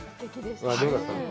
どうだったの？